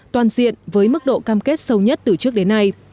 toàn diện với mức độ cam kết sâu nhất từ trước đến nay